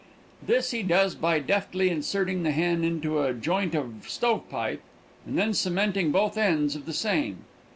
This he does by deftly inserting the hen into a joint of stove pipe and then cementing both ends of the same.